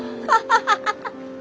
ハハハハッ！